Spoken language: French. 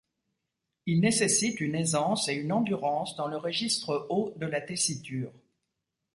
Il nécessite une aisance et une endurance dans le registre haut de la tessiture.